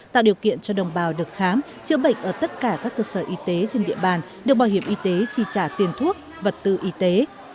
tạo điều kiện cho đồng bào được khám chữa bệnh ở tất cả các cơ sở y tế trên địa bàn được bảo hiểm y tế chi trả tiền thuốc vật tư y tế